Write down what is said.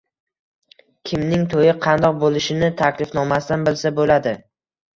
Kimning to`yi qandoq bo`lishini Taklifnomasidan bilsa bo`ladi